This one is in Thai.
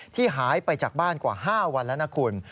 ที่หายไปจากบ้านกว่า๕วันแล้วนะคุณ